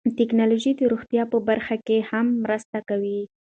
ټکنالوژي د روغتیا په برخه کې هم مرسته کوي.